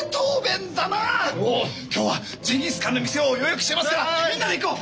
今日はジンギスカンの店を予約してますからみんなで行こう！